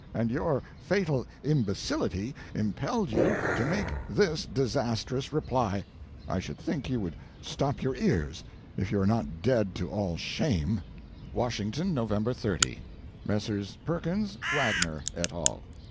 And your fatal imbecility impelled you to make this disastrous reply. I should think you would stop your ears, if you are not dead to all shame: "'WASHINGTON, Nov. 30. "'Messrs. Perkins, Wagner, et al.